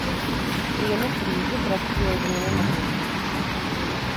Вријеме кризе представља и вријеме могућности.